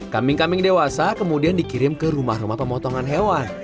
kambing kambing dewasa kemudian dikirim ke rumah rumah pemotongan hewan